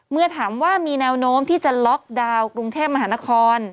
เมื่อถามว่ามีแนวโน้มที่จะล็อกดาวน์กรุงเทพมหานคร